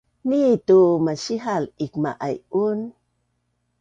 nitu masihal ikma’aiun